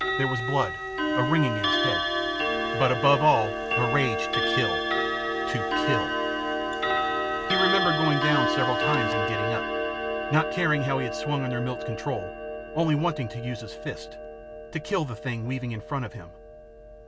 There was blood, a ringing in his head. But above all, a rage to kill. To kill. He remembered going down several times and getting up. Not caring how he had swung under Milt's control only wanting to use his fists to kill the thing weaving in front of him.